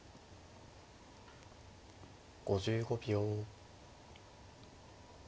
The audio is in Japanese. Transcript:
５５秒。